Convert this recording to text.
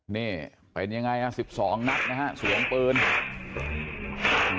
นี่เป็นยังไงอ่ะสิบสองนัดนะฮะสวงเปลือง